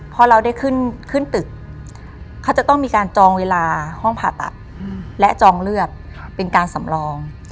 พอเราได้ขึ้นตึกเขาจะต้องมีการจองเวลาห้องผ่าตัดและจองเลือดเป็นการสำรอง